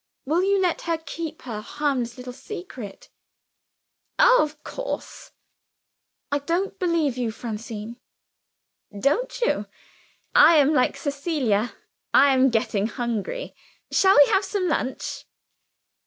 Will you let her keep her harmless little secret?" "Oh, of course!" "I don't believe you, Francine!" "Don't you? I am like Cecilia I am getting hungry. Shall we have some lunch?"